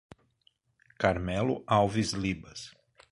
Carmelo Alves Libas